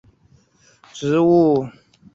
假东风草是菊科艾纳香属的植物。